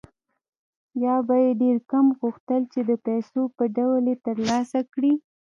یا به یې ډېر کم غوښتل چې د پیسو په ډول یې ترلاسه کړي